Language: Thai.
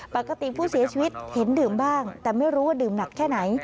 ปกติผู้เสียชีวิตเห็นดื่มบ้างแต่ไม่รู้ว่าดื่มหนักแค่ไหน